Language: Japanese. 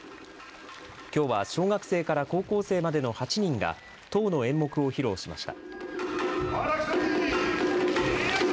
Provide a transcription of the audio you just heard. きょうは小学生から高校生までの８人が１０の演目を披露しました。